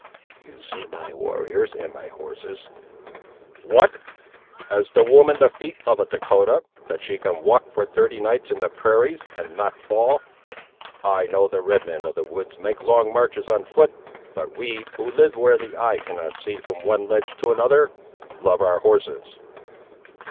"You see my warriors, and my horses." "What! has the woman the feet of a Dahcotah, that she can walk for thirty nights in the prairies, and not fall! I know the red men of the woods make long marches on foot, but we, who live where the eye cannot see from one lodge to another, love our horses."